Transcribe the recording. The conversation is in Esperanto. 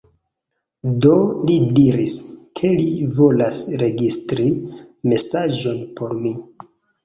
Do li diris, ke li volas registri mesaĝon por mi.